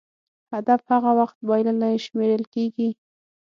هدف هغه وخت بایللی شمېرل کېږي.